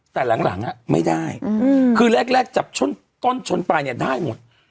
แต่หลังหลังอ่ะไม่ได้อืมคือแรกแรกจับชนต้นชนปลายเนี่ยได้หมด